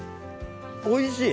おいしい！